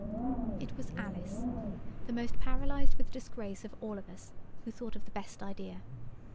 It was Alice, the most paralysed with disgrace of all of us, who thought of the best idea.